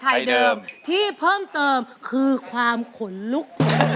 เดิมที่เพิ่มเติมคือความขนลุก